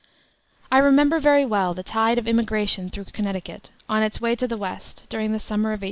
"I remember very well the tide of emigration through Connecticut, on its way to the West, during the summer of 1817.